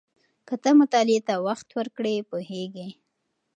که ته مطالعې ته وخت ورکړې پوهېږې.